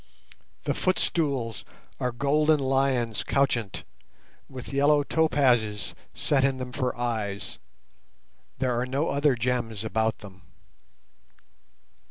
The footstools are golden lions couchant, with yellow topazes set in them for eyes. There are no other gems about them.